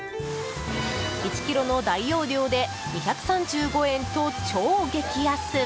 １ｋｇの大容量で２３５円と超激安！